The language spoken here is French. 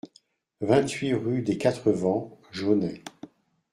vingt-huit rue des Quatre Vents Jaunay